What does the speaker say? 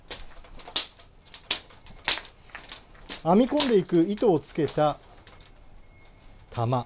編み込んでいく、糸をつけた玉。